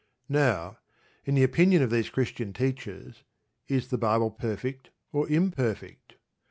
Now, in the opinion of these Christian teachers, is the Bible perfect or imperfect?